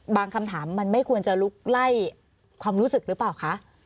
คำถามมันไม่ควรจะลุกไล่ความรู้สึกหรือเปล่าคะ